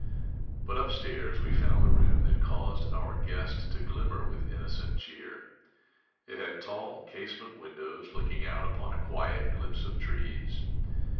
But upstairs we found the room that caused our guest to glimmer with innocent cheer. It had tall casement windows looking out upon a quiet glimpse of trees.